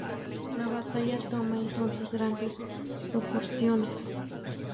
La batalla toma entonces grandes proporciones.